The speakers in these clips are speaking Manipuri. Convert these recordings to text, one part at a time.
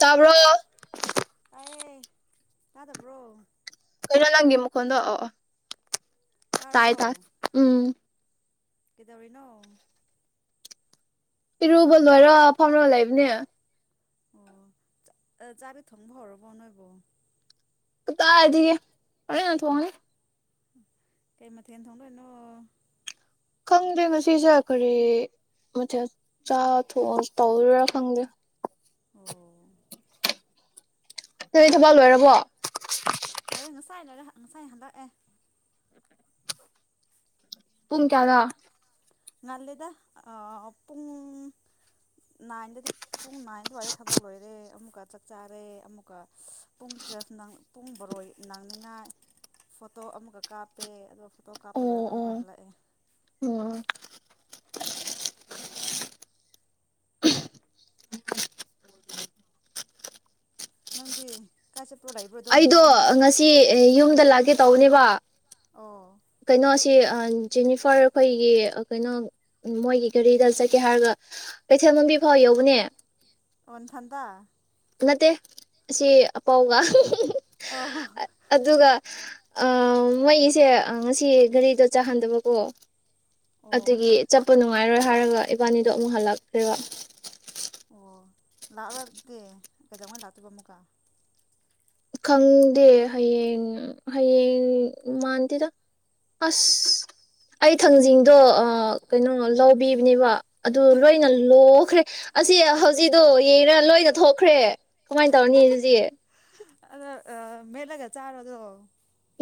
ꯇꯥꯕ꯭ꯔꯣ ꯑꯦ ꯇꯥꯗꯕ꯭ꯔꯣ ꯀꯩꯅꯣ ꯂꯪꯒꯦ ꯃꯈꯣꯟꯗꯣ ꯑꯣ ꯇꯥꯏ ꯇꯥ ꯎꯝ ꯀꯦꯗꯧꯔꯤꯅꯣ ꯏꯔꯨꯕ ꯂꯣꯏꯔ ꯐꯝꯔꯒ ꯂꯩꯕꯅꯦ ꯑꯣ ꯆꯥꯛꯇꯤ ꯊꯣꯡꯕ ꯍꯧꯔꯕꯣ ꯅꯪꯕꯣ ꯀꯗꯥꯏꯗꯒꯤ ꯍꯣꯔꯦꯟ ꯊꯣꯡꯂꯤ ꯀꯩꯃꯊꯦꯟ ꯊꯣꯡꯗꯣꯏꯅꯣ ꯈꯪꯗꯦ ꯉꯁꯤꯁꯦ ꯀꯔꯤ ꯃꯊꯦꯜ ꯆꯥ ꯊꯣꯡ ꯇꯧꯔꯥ ꯈꯪꯗꯦ ꯑꯣ ꯅꯪꯗꯤ ꯊꯕꯥ ꯂꯣꯏꯔꯕꯣ ꯑꯩ ꯉꯁꯥꯏ ꯂꯣꯏꯔꯦ ꯉꯁꯥꯏ ꯍꯜꯂꯛ ꯑꯦ ꯄꯨꯡ ꯀꯌꯥꯗ ꯉꯜꯂꯤꯗ ꯄꯨꯡ ꯅꯥꯏꯟꯗ ꯄꯨꯡ ꯅꯥꯏꯟ ꯑꯗꯨꯋꯥꯏꯗ ꯊꯕꯛ ꯂꯣꯏꯔꯦ ꯑꯃꯨꯛꯀ ꯆꯥꯛ ꯆꯥꯔꯦ ꯑꯃꯨꯛꯀ ꯄꯨꯡ ꯇꯨꯌꯦꯜꯐ ꯄꯨꯡ ꯕꯥꯔꯣ ꯅꯪꯅꯤꯡꯉꯥꯏ ꯐꯣꯇꯣ ꯑꯃꯨꯛꯀ ꯀꯥꯞꯄꯦ ꯑꯗꯨꯒ ꯇꯣ ꯀꯥꯄ ꯑꯣ ꯂꯣꯏꯔꯒ ꯑꯣ ꯑꯃꯨꯛꯀ ꯍꯜꯂꯥꯛꯑꯦ ꯑꯣ ꯅꯪꯗꯤ ꯀꯥꯏꯆꯠ ꯑꯩꯗꯣ ꯉꯁꯤ ꯌꯨꯝꯗ ꯂꯥꯛꯀꯦ ꯇꯧꯕꯅꯦꯕ ꯑꯣ ꯀꯩꯅꯣꯁ ꯁꯤ ꯖꯦꯅꯤꯐꯔ ꯑꯈꯣꯏꯒꯤ ꯀꯩꯅꯣ ꯃꯣꯏꯒꯤ ꯒꯥꯔꯤꯗ ꯆꯠꯀꯦ ꯍꯥꯏꯔꯒ ꯀꯩꯊꯦꯜꯃꯥꯟꯕꯤ ꯐꯥꯎ ꯌꯧꯕꯅꯦ ꯑꯣꯟꯊꯟꯗ ꯅꯠꯇꯦ ꯑꯁꯤ ꯑꯄꯥꯎꯒ ꯑꯣ ꯑꯗꯨꯒꯥ ꯑ ꯃꯣꯏꯁꯦ ꯉꯁꯤ ꯒꯔꯤꯗꯣ ꯆꯥꯍꯟꯗꯕꯀꯣ ꯑꯣ ꯑꯗꯨꯒꯤ ꯆꯠꯄ ꯅꯨꯡꯉꯥꯏꯔꯣꯏ ꯍꯥꯏꯔꯒ ꯏꯕꯥꯅꯤꯗꯣ ꯑꯃꯨꯛ ꯍꯜꯂꯛꯈ꯭ꯔꯤꯕ ꯑꯣ ꯂꯥꯛꯔꯗꯤ ꯀꯩꯗꯧꯉꯩ ꯂꯥꯛꯇꯣꯏꯕ ꯑꯃꯨꯛꯀ ꯈꯪꯗꯦ ꯍꯌꯦꯡ ꯍꯌꯦꯡ ꯃꯥꯟꯗꯦꯗ ꯑꯁ ꯑꯩ ꯊꯥꯡꯖꯤꯡꯗꯣ ꯀꯩꯅꯣ ꯂꯧꯕꯤꯕꯅꯦꯕ ꯑꯗꯨ ꯂꯣꯏꯅ ꯂꯣꯈ꯭ꯔꯦ ꯑꯁꯤ ꯍꯧꯖꯤꯛꯗꯣ ꯌꯦꯔ ꯂꯣꯏꯅ ꯊꯣꯛꯈ꯭ꯔꯦ ꯀꯃꯥꯏꯅ ꯇꯧꯅꯤ ꯑꯗꯨꯗꯤ ꯑꯗ ꯑ ꯃꯦꯠꯂꯒ ꯆꯥꯕꯗꯨ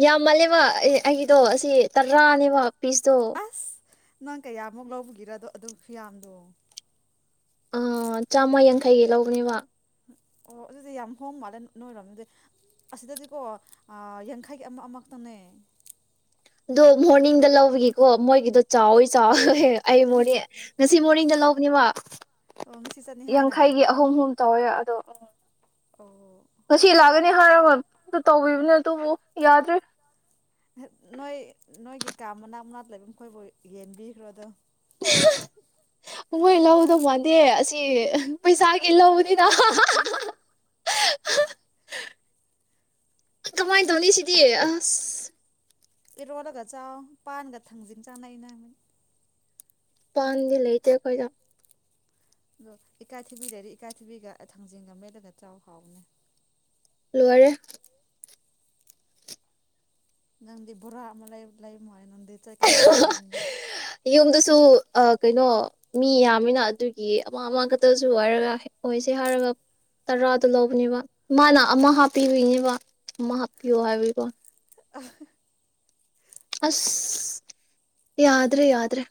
ꯌꯥꯝ ꯃꯥꯜꯂꯦꯕ ꯑꯩꯒꯤꯗꯣ ꯑꯁꯤ ꯇꯔꯥꯅꯦꯕ ꯄꯤꯁ ꯇꯣ ꯑꯁ ꯅꯪ ꯀꯌꯥꯃꯨꯛ ꯂꯧꯕꯒꯤꯔꯗꯣ ꯑꯗꯨꯁꯨ ꯌꯥꯝꯗꯣ ꯑꯥ ꯆꯥꯝꯃ ꯌꯥꯡꯈꯩꯒꯤ ꯂꯧꯕꯅꯦꯕ ꯑꯣ ꯑꯗꯨꯗꯤ ꯌꯥꯝ ꯍꯣꯡ ꯃꯥꯜꯂꯦ ꯅꯣꯏꯔꯣꯝꯗꯗꯤ ꯑꯁꯤꯗꯗꯤꯀꯣ ꯌꯥꯡꯈꯩꯒꯤ ꯑꯃ ꯑꯃ ꯈꯛꯇꯪꯅꯦ ꯑꯗꯣ ꯃꯣꯔꯅꯤꯡꯗ ꯂꯧꯕꯒꯤꯀꯣ ꯃꯣꯏꯒꯤꯗꯣ ꯆꯥꯎꯋꯤ ꯆꯥꯎ ꯑꯩ ꯃꯣꯅꯤ ꯁꯤ ꯃꯣꯔꯅꯤꯡꯗ ꯂꯧꯕꯅꯦꯕ ꯑꯣ ꯉꯁꯤ ꯆꯠꯅꯤ ꯍꯥꯏꯅ ꯌꯥꯡꯈꯩꯒꯤ ꯑꯍꯨꯝ ꯑꯍꯨꯝ ꯇꯧꯋꯦ ꯑꯗꯣ ꯎꯝ ꯑꯣ ꯃꯉꯤ ꯂꯥꯛꯒꯦ ꯍꯥꯏꯔꯝꯕꯗꯨ ꯇꯧꯕꯤꯕꯅꯦ ꯑꯗꯨꯕꯨ ꯌꯥꯗ꯭ꯔꯦ ꯅꯣꯏ ꯅꯣꯏꯒꯤ ꯀꯥ ꯃꯅꯥꯛ ꯃꯅꯥꯛꯇ ꯂꯩꯕ ꯃꯈꯣꯏꯕꯨ ꯌꯦꯟꯕꯤꯈ꯭ꯔꯣ ꯑꯗꯣ [unintelligible] ꯃꯣꯏ ꯂꯧꯗꯧ ꯃꯥꯟꯗꯦ ꯑꯁꯤ ꯄꯩꯁꯥꯒꯤ ꯂꯧ [unintelligible] ꯀꯃꯥꯏꯅ ꯇꯧꯅꯤ ꯁꯤꯗꯤ ꯑꯥ [unintelligible] ꯏꯔꯣꯜꯂꯒ ꯆꯥꯎ ꯄꯥꯟꯒ ꯊꯥꯡꯖꯤꯟ ꯆꯥꯅꯩꯩꯅ ꯄꯥꯟꯗꯤ ꯂꯩꯇꯦ ꯑꯩꯈꯣꯏꯗ ꯑꯗꯣ ꯏꯀꯥꯏꯊꯤꯕꯤ ꯂꯩꯗꯤ ꯏꯀꯥꯏꯊꯤꯕꯤꯒ ꯊꯥꯡꯖꯤꯡꯒ ꯃꯦꯠꯂꯒ ꯆꯥꯎ ꯍꯥꯎꯕꯅꯦ ꯂꯣꯏꯔꯦ ꯅꯪꯗꯤ ꯕꯣꯔꯥ ꯑꯃ ꯂꯩ ꯂꯩ ꯃꯥꯜꯂꯦ ꯅꯪꯗꯤ ꯑꯗꯨ ꯆꯠꯀꯥꯅꯤ ꯍꯥꯏꯕꯒꯤ ꯌꯨꯝꯗ ꯌꯨꯝꯗꯁꯨ ꯀꯩꯅꯣ ꯃꯤ ꯌꯥꯝꯃꯤꯅ ꯑꯗꯨꯒꯤ ꯑꯃ ꯑꯃ ꯈꯛꯇꯁꯨ ꯍꯥꯏꯔꯒ ꯑꯣꯏꯁꯦ ꯍꯥꯏꯔꯒ ꯇꯔꯥꯗꯣ ꯂꯧꯕꯅꯦꯕ ꯃꯥꯅ ꯑꯃ ꯍꯥꯞꯄꯤꯏꯅꯦꯕ ꯑꯃ ꯍꯥꯞꯄꯤꯌꯣ ꯍꯥꯏꯕꯒꯤ [unintelligible] ꯑꯁ ꯌꯥꯗ꯭ꯔꯦ ꯌꯥꯗ꯭ꯔꯦ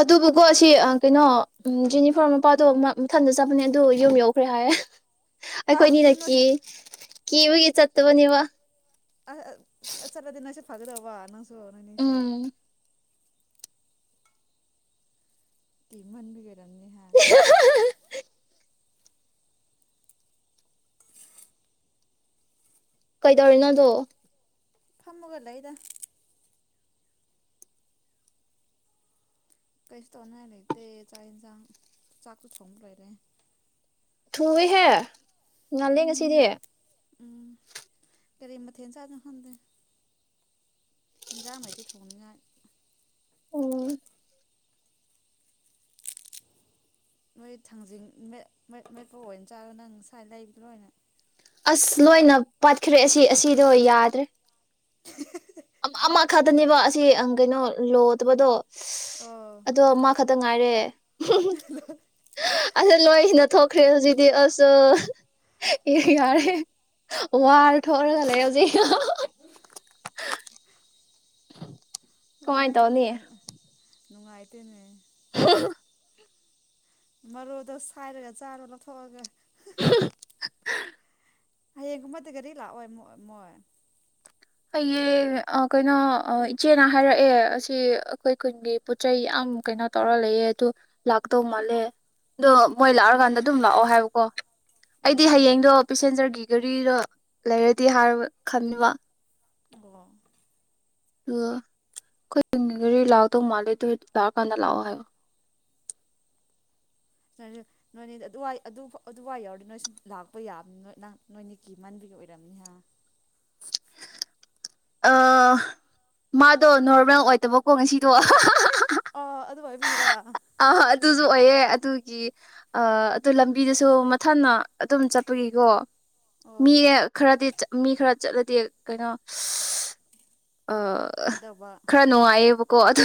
ꯑꯗꯨꯕꯨꯀꯣ ꯁꯤ ꯀꯩꯅꯣ ꯖꯨꯅꯤꯐꯣꯔ ꯃꯄꯥꯗꯣ ꯃꯊꯟꯗ ꯆꯠꯄꯅꯦ ꯑꯗꯨ ꯌꯨꯝ ꯌꯧꯈ꯭ꯔꯦ ꯍꯥꯏ ꯑꯥ ꯑꯩꯈꯣꯏꯅꯤꯅ ꯑꯗꯨꯗꯤ ꯅꯣꯏ ꯀꯤ ꯀꯤꯕꯒꯤ ꯆꯠꯇꯕꯅꯦꯕ ꯐꯒꯗꯥꯕ ꯅꯪ ꯅꯣꯢꯅꯤꯁꯨ ꯎꯝ ꯀꯔꯃꯥꯟꯕꯒꯤ ꯅꯣꯏꯔꯝꯅꯤ [unintelligible] ꯀꯩ ꯇꯧꯔꯤꯅꯣ ꯅꯗꯣ ꯐꯝꯃꯒ ꯂꯩꯗꯥ ꯀꯩꯁꯨ ꯇꯧꯅꯤꯡꯉꯥꯏ ꯂꯩꯇꯦ ꯆꯥꯛ ꯌꯦꯟꯁꯥꯡ ꯆꯥꯛꯁꯨ ꯊꯣꯡꯕ ꯂꯣꯏꯔꯦ ꯊꯨꯏꯋꯦ ꯍꯦ ꯉꯥꯜꯂꯦ ꯎꯝ ꯉꯁꯤꯗꯤ ꯎꯝ ꯀꯔꯤ ꯃꯊꯦꯜ ꯆꯥꯗꯣꯏꯅꯣ ꯈꯪꯗꯦ ꯏꯟꯖꯥꯡ ꯂꯩꯇꯦ ꯊꯣꯡꯅꯤꯡꯉꯥꯏ ꯑꯣ ꯃꯣꯏ ꯊꯥꯡꯖꯤꯡ ꯃꯦꯠ ꯃꯦꯠꯄ ꯑꯣꯏꯅ ꯆꯥꯔꯒ ꯅꯪ ꯉꯁꯥꯏ ꯂꯩꯕ ꯂꯣꯏꯅ ꯑꯁ ꯂꯣꯏꯅ ꯄꯥꯠꯈ꯭ꯔꯦ ꯑꯁꯤ ꯑꯁꯤꯗꯣ ꯌꯥꯗ꯭ꯔꯦ [unintelligible] ꯈꯛꯇꯅꯦꯕ ꯑꯁꯤ ꯀꯩꯅꯣ ꯂꯣꯠꯇꯕꯗꯣ ꯑꯣ ꯑꯗꯣ ꯃꯥ ꯈꯛꯇꯪ ꯉꯥꯏꯔꯦ [unintelligible] ꯑꯁꯤ ꯂꯣꯏꯁꯤꯅ ꯊꯣꯛꯈ꯭ꯔꯦ ꯍꯧꯖꯤꯛꯇꯤ ꯑꯁ ꯌꯥꯔꯦ ꯋꯥꯔ ꯊꯣꯛꯔꯒ ꯂꯩ ꯍꯧꯖꯤꯛ ꯀꯥꯃꯥꯏ ꯇꯧꯅꯤ ꯅꯨꯡꯉꯥꯏꯇꯅꯦ [unintelligible] ꯃꯔꯣꯗꯣ ꯁꯥꯏꯔꯒ ꯆꯥꯔꯣ ꯂꯧꯊꯣꯛꯑꯒ [unintelligible] ꯍꯌꯦꯡꯒꯨꯝꯕꯗ ꯀꯒꯥꯔꯤ ꯂꯥꯛꯑꯣꯏ ꯃꯣꯏ ꯃꯣꯏ꯫ ꯍꯌꯦꯡ ꯀꯩꯅꯣ ꯏꯆꯦꯅ ꯍꯥꯏꯔꯛꯑꯦ ꯑꯁꯤ ꯑꯩꯈꯣꯏ ꯈꯨꯟꯒꯤ ꯄꯣꯠ ꯆꯩꯩ ꯌꯥꯝ ꯀꯩꯅꯣ ꯇꯧꯔ ꯂꯩꯌꯦ ꯑꯗꯨ ꯂꯥꯛꯇꯧ ꯃꯥꯜꯂꯦ ꯑꯗꯣ ꯃꯣꯏ ꯂꯥꯛꯑꯀꯥꯟꯗ ꯑꯗꯨꯝ ꯂꯥꯛꯑꯣ ꯍꯥꯏꯌꯣꯀꯣ꯫ ꯑꯩꯗꯤ ꯑꯣ ꯍꯌꯦꯡꯗꯣ ꯄꯦꯁꯦꯟꯖꯔꯒꯤ꯫ ꯒꯥꯔꯤꯗꯣ ꯂꯩꯔꯗꯤ ꯍꯥꯏ ꯈꯟꯕꯥ꯫ ꯑꯣ꯫ ꯑꯗꯨꯒ ꯑꯩꯈꯣꯏ ꯈꯨꯟꯒꯤ ꯒꯥꯔꯤ ꯂꯥꯛꯗꯧ ꯃꯥꯜꯂꯦ ꯗꯨ ꯂꯥꯛꯑ ꯀꯥꯟꯗ ꯂꯥꯛꯑꯣ ꯍꯥꯏꯌꯣ ꯅꯣꯏꯅꯦꯗꯤ ꯑꯗꯨꯏ ꯑꯗꯨꯋꯥꯏ ꯌꯥꯎꯔꯗꯤ ꯅꯣꯏ ꯁꯨꯝ ꯂꯥꯛꯄ ꯌꯥꯕꯅꯤ ꯅ ꯅ ꯅꯣꯏꯅꯦ ꯀꯤ ꯃꯥꯟꯕꯤꯒꯤ ꯑꯣꯏꯔꯝꯅꯤꯍ꯫ ꯃꯥꯗꯣ ꯅꯣꯔꯃꯦꯜ ꯑꯣꯏꯗꯕꯀꯣ ꯉꯁꯤꯗꯣ꯫ ꯑ ꯑꯣꯏꯕꯤꯔꯥ꯫ ꯑ꯫ ꯑꯗꯨꯁꯨ ꯑꯣꯏꯌꯦ ꯑꯗꯨꯒꯤ ꯑ ꯑꯗꯨ ꯂꯝꯕꯤꯗꯨꯁꯨ ꯃꯊꯟꯅ ꯑꯗꯨꯝ ꯆꯠꯄꯒꯤꯀꯣ꯫ ꯃꯤ ꯑꯣ ꯈꯔꯗꯤ ꯆꯠ ꯃꯤ ꯈꯔ꯫ ꯆꯠꯂꯗꯤ ꯀꯩꯅꯣ꯫ ꯑ ꯐꯗꯧꯕ ꯈꯔ ꯅꯨꯡꯉꯥꯏꯌꯦꯕꯀꯣ ꯑꯗꯨ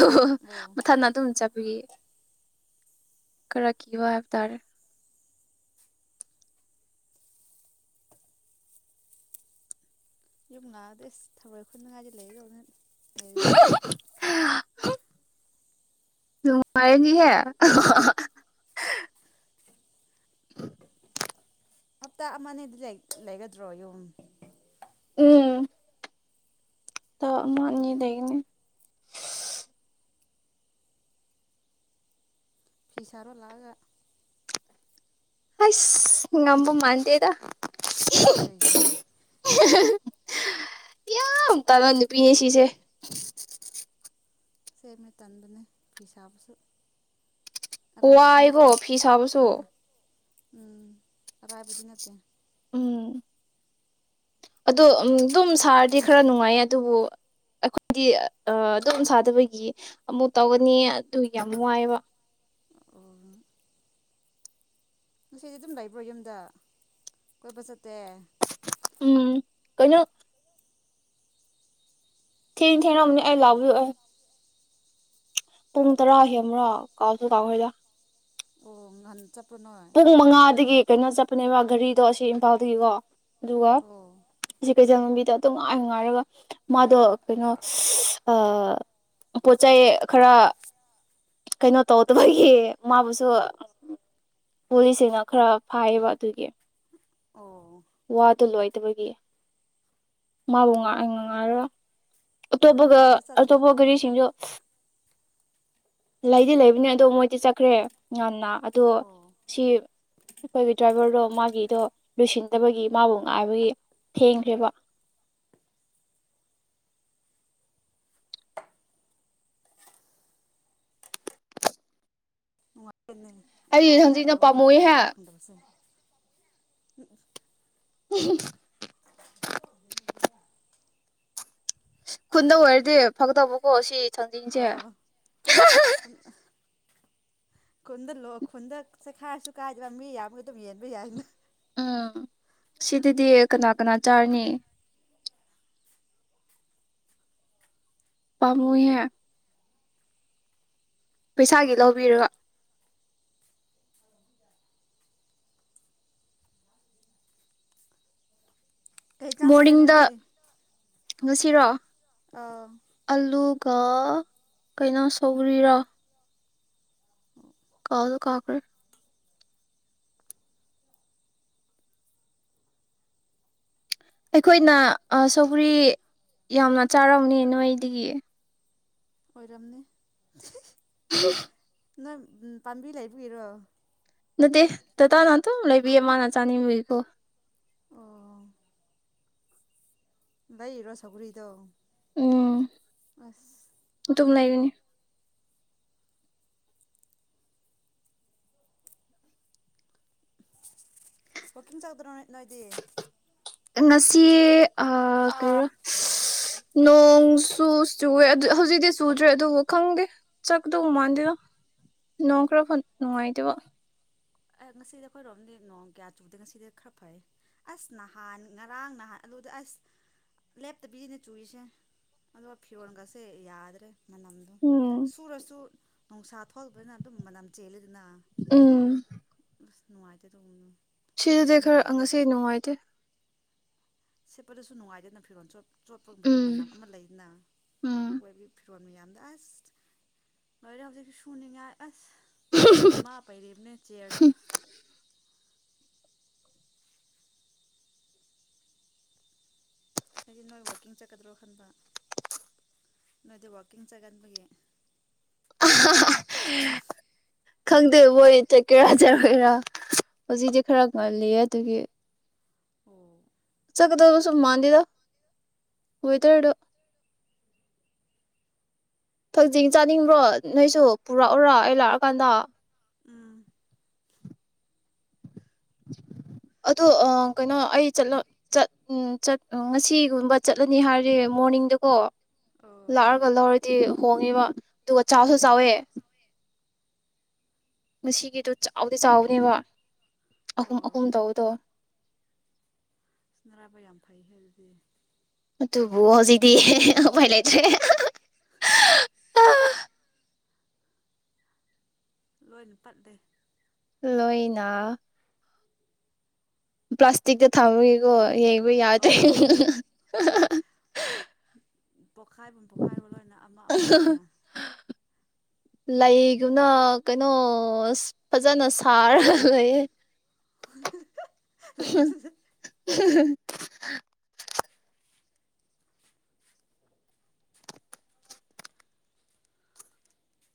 ꯑꯣ ꯃꯊꯟ ꯑꯗꯨꯝ ꯆꯠꯕꯒꯤ꯫ ꯈꯔ ꯀ ꯋꯥ ꯍꯥꯏꯕꯇꯥꯔꯦ꯫ ꯌꯨꯝ ꯂꯛꯑꯗ ꯑꯁ ꯊꯕꯣꯏ ꯈꯨꯠꯅꯉꯥꯏꯁꯦ ꯂꯩ ꯌꯧ꯫ ꯑꯗꯨꯅꯦ꯫ ꯅꯨꯉꯥꯏꯅꯤꯍꯦ꯫ ꯫ ꯍꯞꯇꯥ ꯑꯃꯅꯦꯗꯤ ꯂꯩꯒꯗ꯭ꯔꯣ ꯌꯨꯝ꯫ ꯎꯝ꯫ ꯇꯤ ꯑꯃꯥ ꯑꯅꯤ ꯂꯩꯒꯥꯅꯤ꯫ ꯐꯤꯁꯥꯔꯣ ꯂꯥꯛꯑꯒ꯫ ꯑꯁ ꯉꯝꯕ ꯃꯥꯗꯦꯗ꯫ ꯀꯩꯒꯤ꯫ ꯌꯥꯝ ꯇꯥꯟꯕ ꯅꯨꯄꯤ ꯅꯤ ꯁꯤꯁꯦ꯫ ꯁꯦꯝꯃꯦ ꯇꯟꯕꯅꯦ ꯐꯤ ꯁꯥꯕꯁꯨ꯫ ꯋꯥꯏ ꯑꯔꯥꯏꯕꯗꯤ ꯑꯩꯒꯣ ꯅꯠꯇꯦ ꯐꯤꯁꯕꯁꯨ꯫ ꯎꯝ ꯎꯝ ꯑꯔꯥꯏꯕꯗꯤ ꯅꯠꯇꯦ꯫ ꯎꯝ꯫ ꯑꯗꯣ ꯑꯗꯨꯝ ꯁꯥꯔꯗꯤ ꯈꯔ ꯅꯨꯡꯉꯥꯏ ꯑꯗꯨꯕꯨ ꯑꯩꯈꯣꯏꯗꯤ ꯑꯗꯨꯝ ꯁꯥꯗꯕꯒꯤ ꯑꯃꯨꯛ ꯇꯧꯒꯅꯤ ꯑꯗꯨ ꯌꯥꯝ ꯋꯥ ꯌꯦꯕꯥ꯫ ꯑꯣ꯫ ꯉꯁꯤꯗꯤ ꯑꯗꯨꯝ ꯂꯩꯕ꯭ꯔꯣ ꯌꯨꯝꯗ ꯀꯣꯏꯕ ꯆꯠꯇꯦ꯫ ꯎꯝ ꯀꯩ ꯅꯣ ꯫ ꯊꯦꯡ ꯊꯦꯡꯉꯝꯅꯤ ꯑꯩ ꯂꯥꯎꯕꯗꯨ ꯑꯩ꯫ ꯄꯨꯡ ꯇꯔꯥ ꯍꯦꯟꯕꯔꯣ ꯀꯥꯎꯁꯨ ꯀꯥꯎꯈ꯭ꯔꯑꯦꯗ꯫ ꯑꯣ ꯉꯥꯟ꯫ ꯄꯨꯡ ꯃꯉꯥꯗꯒꯤ꯫ ꯀꯩꯅꯣ ꯆꯠꯄꯅꯦꯕ ꯒꯥꯔꯤꯗꯣ ꯑꯁꯤ ꯏꯝꯐꯥꯜꯗꯒꯤꯀꯣ꯫ ꯑꯗꯨꯒ ꯑꯣ ꯁꯤ ꯀꯩ꯫ ꯏꯖꯜ ꯂꯝꯕꯤꯗꯣ ꯑꯗꯨꯝ ꯉꯥꯏꯉꯥꯏꯔꯒ ꯃꯥꯗꯣ ꯀꯩꯅꯣ ꯄꯣꯠ ꯆꯩ ꯈꯔ ꯀꯩꯅꯣ ꯇꯧꯗꯕꯒꯤ ꯃꯥꯕꯨꯁꯨ ꯄꯨꯂꯤꯁꯁꯤꯡꯅ ꯈꯔ ꯐꯥꯏꯌꯦꯕ ꯑꯗꯨꯒꯤ ꯑꯣ ꯕꯒꯤ ꯃꯥꯕꯨ ꯉ ꯉꯉꯥꯏꯔ ꯑꯇꯣꯞꯄꯒ ꯂꯥꯛꯁꯨ ꯆꯠꯇ꯭ꯔꯦ ꯑꯇꯣꯞꯄ ꯒꯥꯔꯤꯁꯤꯡꯁꯨ [inaudible] ꯂꯩꯗꯤ ꯂꯩꯕꯅꯦ ꯑꯗꯣ ꯃꯣꯏꯗꯤ ꯆꯠꯈ꯭ꯔꯦ ꯉꯟꯅ ꯑꯗꯣ ꯑꯣ ꯁꯤ ꯑꯩꯈꯣꯏꯒꯤ ꯗ꯭ꯔꯥꯏꯚꯔꯗꯣ ꯃꯥꯒꯤꯗꯣ ꯂꯣꯏꯁꯤꯟ ꯠꯇꯕꯒꯤ ꯃꯥꯕꯨ ꯉꯥꯏꯕꯒꯤ ꯊꯦꯡꯈ꯭ꯔꯦꯕ ꯋꯥ ꯍꯦꯟꯅ ꯑꯩ ꯂꯥꯛꯅꯤꯉꯥꯏ ꯍꯪꯖꯤꯛꯅ ꯇꯧꯔꯒ ꯄꯥꯝꯃꯨꯏꯍꯦ ꯂꯥꯛꯄ ꯐꯪꯗꯕꯁꯦ ꯎꯝ ꯎ [inaudible] ꯈꯨꯟꯗ ꯑꯣꯏꯔꯗꯤ ꯐꯛꯇꯕꯀꯣ ꯁꯤ ꯆꯟꯖꯤꯡꯁꯦ ꯑꯣ ꯈꯨꯟꯗ ꯂꯣ ꯈꯨꯟꯗꯁꯦꯈꯥꯏꯔꯁꯨ ꯀꯥꯏꯗꯕ ꯃꯤ ꯌꯥꯝꯒ ꯑꯗꯨꯝ ꯌꯦꯟꯕ ꯌꯥꯏꯅ ꯎꯝ ꯁꯤꯗꯗꯤ ꯀꯅꯥ ꯀꯅꯥ ꯆꯥꯔꯅꯤ ꯄꯥꯕꯨꯍ ꯄꯩꯁꯥꯒꯤ ꯂꯧꯕꯤꯔꯣ ꯀꯩ ꯆꯥꯟ ꯆꯠꯔꯦ ꯃꯣꯔꯅꯤꯡꯗ ꯅꯣꯏꯗꯤ ꯉꯁꯤꯔꯣ ꯑꯥ ꯀ ꯀꯩꯅꯣ ꯁꯧꯔꯤꯔꯣ ꯀꯥꯎꯗ ꯀꯥꯒ꯭ꯔꯦ ꯑꯩꯈꯣꯏꯅ ꯁꯧꯒ꯭ꯔꯤ ꯌꯥꯝꯅ ꯆꯥꯔꯝꯅꯦ ꯅꯣꯏꯗꯒꯤ ꯑꯣꯏꯔꯝꯅꯤ ꯍ ꯅꯣꯏ ꯄꯥꯝꯕꯤ ꯂꯩꯕꯨꯒꯤꯔꯣ ꯅꯠꯇꯦ ꯇꯇꯥꯥꯅ ꯑꯗꯨ ꯂꯩꯕꯤꯌꯦ ꯃꯥꯅ ꯆꯥꯅꯤꯡꯕꯀꯣ ꯑꯣ ꯂꯩꯔꯣ ꯁꯒꯔꯤꯗꯣ ꯑꯁ ꯇꯨꯝ ꯂꯩꯕꯅꯤ ꯑꯣ ꯀꯝ ꯆꯧꯗ꯭ꯔꯣꯅꯦ ꯅꯣꯏꯗꯤ ꯅꯁꯤꯦ ꯑ ꯑꯥ ꯀꯔꯣ ꯅꯣꯡꯁꯨꯨ ꯆꯨꯋꯦ ꯍꯧꯖꯤꯛꯇꯤ ꯆꯨꯗ꯭ꯔꯦ ꯑꯗꯨꯕꯨ ꯈꯪꯗꯦ ꯆꯀꯗꯧ ꯃꯥꯟꯗꯦꯗ ꯅꯣꯡ ꯈꯔ ꯅꯨꯡꯉꯥꯏꯇꯦꯕ ꯑꯦ ꯉꯁꯤꯗꯤ ꯑꯩꯈꯣꯏꯔꯣꯝꯗꯤ ꯅꯣꯡ ꯀꯌꯥ ꯆꯨꯗꯦ ꯉꯁꯤꯗꯤ ꯈꯔ ꯐꯩ ꯑꯁ ꯅꯍꯥꯟ ꯉꯔꯥꯡ ꯅꯍꯥꯟ ꯑꯗꯨꯗꯤ ꯑꯁ ꯂꯦꯞꯇꯕꯤꯁꯤꯅꯦ ꯆꯨꯔꯤꯁꯦ ꯑꯗꯣ ꯐꯤꯔꯣꯟꯜꯒꯁꯦ ꯌꯥꯗ꯭ꯔꯦ ꯃꯅꯝꯗ ꯎꯝ ꯁꯨꯔꯁꯨ ꯅꯨꯡꯁꯥ ꯊꯣꯛꯂꯕꯅꯤꯅ ꯑꯗꯨꯝ ꯃꯅꯝ ꯆꯦꯜꯂꯤꯗꯅ ꯎꯝ ꯅꯅꯨꯡꯉꯥꯏꯖꯦ ꯇꯣ ꯁꯤꯗꯨꯗꯤ ꯈꯔ ꯉꯁꯤ ꯅꯨꯡꯉꯥꯏꯇꯦ ꯁꯦꯠꯄꯗꯁꯨ ꯅꯨꯡꯉꯥꯏꯦꯅ ꯐꯤꯣꯟ ꯆꯠ ꯆꯣꯠꯄꯕꯒꯤ ꯃꯅꯝ ꯎꯝ ꯑꯃ ꯎꯝ ꯂꯩꯅꯣꯏ ꯆꯣꯟꯃꯤ ꯌꯥꯝꯗ ꯑꯁ ꯂꯣꯏꯔ ꯍꯧꯖꯤꯛꯁꯨ ꯁꯨꯅꯤꯡꯉꯥꯏ ꯑꯁ ꯗꯙꯃꯥ ꯄꯩꯔꯤꯕꯅ ꯆꯦꯗ ꯍꯥꯏꯗꯤ ꯅꯣꯏ ꯋꯥꯛꯀꯤꯡ ꯆꯠꯀꯗ꯭ꯔꯣ ꯈꯟꯕ ꯅꯣꯏꯗꯤ ꯋꯥꯋꯥꯛꯀꯤꯡ ꯆꯠꯒꯟꯕꯒꯤ ꯈꯪꯗꯦ ꯃꯣꯏ ꯆꯠꯀꯦꯔꯥ ꯆꯔꯣꯏꯔꯥ ꯍꯧꯖꯤꯛꯇꯗꯤꯤ ꯈꯔ ꯉꯜꯂꯤ ꯑꯗꯨꯒꯤ ꯑꯣ ꯁꯗ ꯃꯥꯟꯗꯗ ꯑꯣꯏ ꯇꯔ ꯐꯛꯆꯤꯡ ꯆꯥꯅꯤꯡꯕ꯭ꯔꯣ ꯅꯣꯏꯁꯨ ꯄꯨꯔꯛꯎꯔ ꯑꯩ ꯂꯥꯛꯑꯀꯥꯟꯗ ꯎꯝ ꯑꯗꯣ ꯀꯩꯅꯣ ꯑꯩ ꯆꯂ ꯉꯁꯤꯒꯨꯝꯕ ꯆꯠꯂꯅꯤ ꯍꯥꯏꯁꯦ ꯃꯣꯔꯅꯤꯡꯗꯀꯣ ꯑꯣ ꯂꯥꯔ ꯀꯂꯔ ꯤ ꯍꯣꯡꯉꯤꯕ ꯑꯗꯨꯒ ꯆꯥꯛꯁꯨ ꯑꯣ ꯆꯥꯎꯋꯦ ꯉꯁꯤꯒꯤꯗꯣ ꯆꯥꯎꯗꯤ ꯆꯥꯎꯅꯦꯕ ꯑꯍꯨꯝ ꯑꯣ ꯑꯍꯨꯝ ꯇꯧꯕꯗꯣ ꯏꯅ ꯔꯥꯕ ꯌꯥꯝꯝ ꯐꯩꯍꯗꯤ ꯇꯨꯕꯨ ꯍꯖꯤꯗꯤ ꯄꯥꯏ ꯂꯩ ꯇ꯭ꯔꯦ ꯑ ꯂꯣꯏ ꯅꯄꯥꯠ ꯗꯦ ꯂꯣꯏꯅ ꯄ꯭ꯂꯥꯁꯇꯤꯛꯗ ꯊꯃ ꯏꯒꯣ ꯍ ꯌꯥꯗ ꯑꯣ ꯎꯝ ꯄꯣꯛꯈꯥꯏꯐꯝ ꯄꯣꯛꯈꯥꯏꯕ ꯂꯣꯏꯅ ꯑꯃ ꯑꯃ ꯑꯣꯏꯅ ꯂꯩꯒꯨꯝꯅ ꯀꯩꯅꯣ ꯐꯖꯅ ꯁꯥꯔꯒ ꯂꯩ ꯂꯩꯕꯗꯨꯗ [inaudible]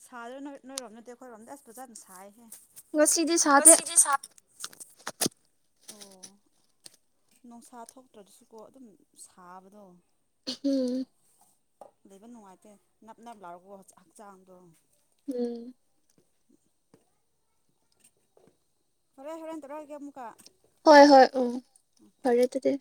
ꯁꯥꯗꯣꯏ ꯅꯣꯏ ꯅꯣꯏꯔꯣꯝ ꯅꯠꯇꯦ ꯑꯩꯈꯣꯏꯔꯣꯝꯗ ꯑꯁ ꯐꯖ ꯑꯗꯨꯝ ꯁꯥꯏ ꯉ ꯁꯤꯗꯤ ꯁꯥ ꯑꯣ ꯅꯨꯡꯁꯥ ꯊꯣꯛꯇ꯭ꯔꯗꯁꯨꯀꯣ ꯑꯗꯨꯝ ꯁꯥꯕꯗꯣ ꯎꯝ ꯂꯩꯕ ꯅꯨꯡꯉꯥꯏꯇꯦ ꯅꯞ ꯅꯅꯕ ꯂꯥꯎꯔꯒꯣ ꯍꯛꯆꯥꯡꯗꯣ ꯎꯝ ꯍꯔꯣꯏ ꯍꯣꯔꯦꯟ ꯇꯧꯔꯣꯏꯒ ꯑꯃꯨꯛꯀ ꯍꯣꯏ ꯍꯣꯏ ꯎꯝ ꯍꯔꯦꯠꯇꯗꯤ